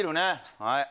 はい。